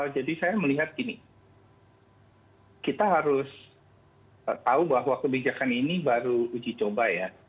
jadi saya melihat gini kita harus tahu bahwa kebijakan ini baru uji coba ya